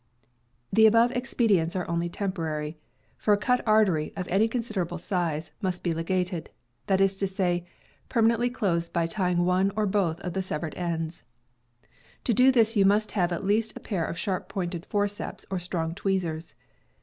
The above expedients are only temporary; for a cut artery, if of any considerable size, must be ligated — that is to say, permanently closed by tying one or both of the severed ends. To do this you must have at least a pair of sharp pointed forceps or strong tweezers.